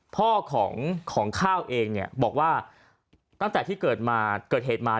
พ่อของข้าวเองเนี่ยบอกว่าตั้งแต่ที่เกิดมาเกิดเหตุมา